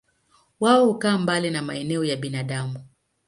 Wao hukaa mbali na maeneo ya binadamu.